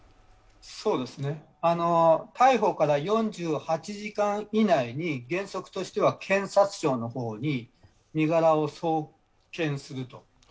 そうですね、逮捕から４８時間以内に原則としては検察庁に身柄を拘束すると。